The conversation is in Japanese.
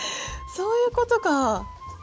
そういうことか。